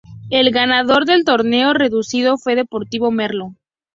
El ganador del torneo reducido fue Deportivo Merlo.